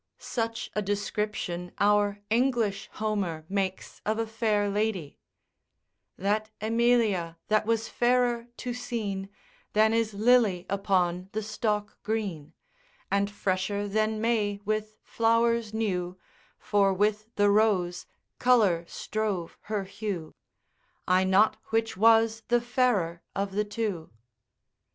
Such a description our English Homer makes of a fair lady That Emilia that was fairer to seen, Then is lily upon the stalk green: And fresher then May with flowers new, For with the rose colour strove her hue, I no't which was the fairer of the two.